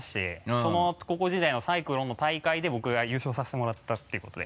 その高校時代のサイクロンの大会で僕が優勝させてもらったっていうことで。